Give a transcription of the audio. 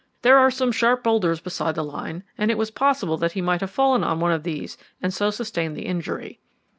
There are some sharp boulders beside the line, and it was possible that he might have fallen on one of these and so sustained the injury.